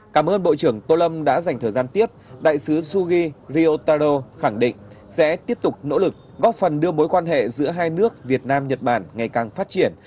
cảm ơn bộ trưởng tô lâm đã dành thời gian tiếp đại sứ sugi ryotaro khẳng định sẽ tiếp tục nỗ lực góp phần đưa mối quan hệ giữa hai nước việt nam nhật bản ngày càng phát triển